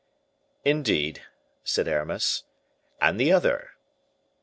"Indeed," said Aramis; "and the other?"